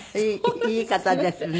いい方ですね。